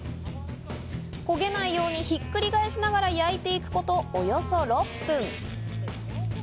焦げないようにひっくり返しながら焼いていくこと、およそ６分。